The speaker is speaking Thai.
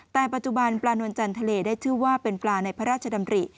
แต่ปัจจุบันปลานวลจันทร์ทะเลได้ชื่อว่าเป็นปลาในพระราชดำริ